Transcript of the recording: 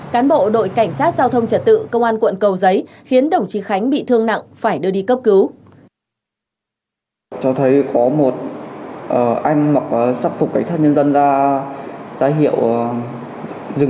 cán bộ đội cảnh sát giao thông trật tự công an quận cầu giấy khiến đồng chí khánh bị thương nặng phải đưa đi cấp cứu